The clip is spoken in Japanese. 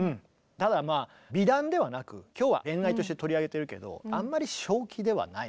ただまあ美談ではなく今日は恋愛として取り上げてるけどあんまり正気ではない。